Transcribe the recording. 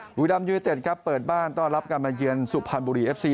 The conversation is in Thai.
บุรีรัมป์ยูนิเต็ดเปิดบ้านต้อนรับกันมาเยี่ยนสุภัณฑ์บุรีเอฟซี